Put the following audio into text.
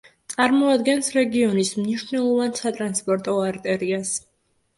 წარმოადგენს რეგიონის მნიშვნელოვან სატრანსპორტო არტერიას.